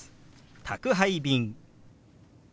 「宅配便」。